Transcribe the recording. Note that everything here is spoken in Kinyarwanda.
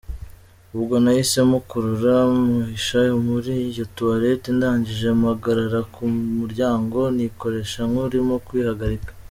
Ubwo nahise mukurura muhisha muri iyo toilette ndagije mpagarara ku muryango nikoresha nkurimo kwihagarika.